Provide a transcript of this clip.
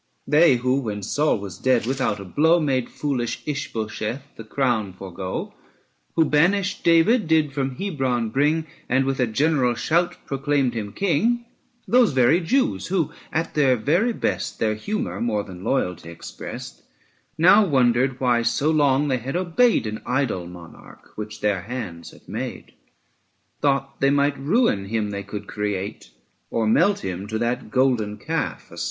They who, when Saul was dead, without a blow ^A*"WvwUJL Made foolish Ishbosheth the crown forego; (\*JplLk*J| I Who banished Da^d did from Hebron bring, VJUXa/^ And with a general shout proclaimed him King ;" 60 Those very Jews who at their very best Their humour more than loyalty exprest, Now wondered why so long they had obeyed An idol monarch which their hands had made; Thought they might ruin him they could create 65 Or melt him to that golden calf, a State.